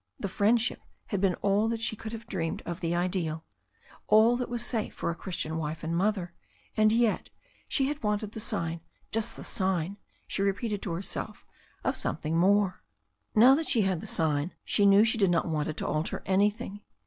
The friendship had been all that she could have dreamed of the ideal, all that was safe for a Christian wife and mother, and yet — she had wanted the sign, just the sign, she repeated to herself, of something more. Now that she had the sign she knew she did not want it to alter anything.